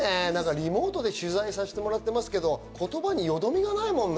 リモートで取材させてもらってますけど、言葉によどみのないもんね。